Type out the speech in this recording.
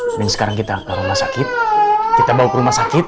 mending sekarang kita ke rumah sakit kita bawa ke rumah sakit